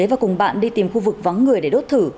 và cùng bạn đi tìm khu vực vắng người để đốt thử